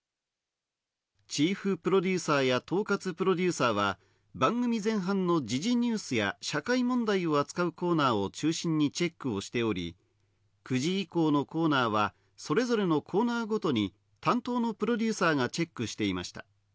チーフプロデューサーや統轄プロデューサーは、番組前半の時事ニュースや社会問題を扱うコーナーを中心にチェックをしており、９時以降のコーナーはそれぞれのコーナーごとに担当のプロデューサーがチェックしていました。